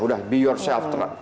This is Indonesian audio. udah be yourself